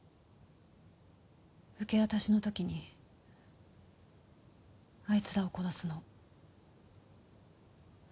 受け渡しのときにアイツらを殺すの。